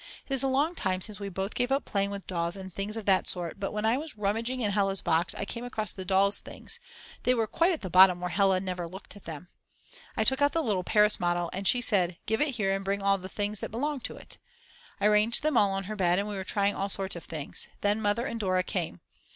It is a long time since we both gave up playing with dolls and things of that sort but when I was rummaging in Hella's box I came across the dolls' things; they were quite at the bottom where Hella never looked at them. I took out the little Paris model and she said: Give it here and bring all the things that belong to it. I arranged them all on her bed and we were trying all sorts of things. Then Mother and Dora came.